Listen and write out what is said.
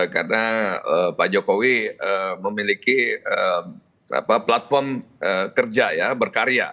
karena pak jokowi memiliki platform kerja ya berkarya